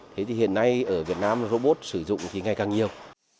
thế thì hiện nay ở việt nam robot sử dụng thì ngày càng nhiều